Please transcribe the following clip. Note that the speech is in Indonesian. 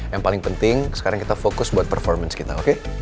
yang paling penting sekarang kita fokus buat performance kita oke